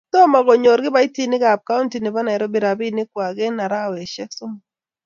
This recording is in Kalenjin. Tomo konyor kibaitinik ab kaunti nebo nairobi rabinik kwak eng araweshek somok